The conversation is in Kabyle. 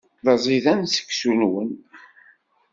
D aẓidan seksu-nwen.